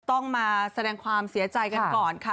ต้องมาแสดงความเสียใจกันก่อนค่ะ